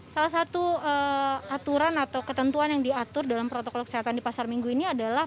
salah satu aturan atau ketentuan yang diatur dalam protokol kesehatan di pasar minggu ini adalah